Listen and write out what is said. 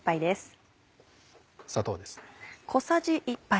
砂糖ですね。